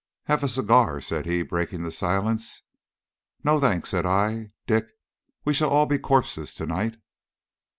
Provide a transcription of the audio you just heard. "Have a cigar," said he, breaking the silence. "No, thanks," said I. "Dick, we shall be all corpses to night."